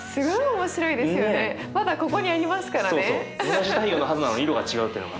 同じ太陽のはずなのに色が違うってのが。